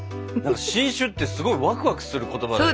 新種ってすごいワクワクする言葉だよね。